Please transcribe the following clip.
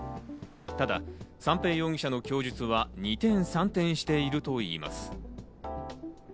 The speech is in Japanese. ただ三瓶容疑者の供述は、二転三転しているといいます。